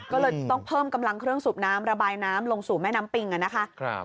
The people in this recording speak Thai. ก็เลยต้องเพิ่มกำลังเครื่องสูบน้ำระบายน้ำลงสู่แม่น้ำปิงนะคะ